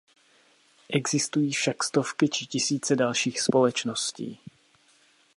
Existují však stovky či tisíce dalších společností.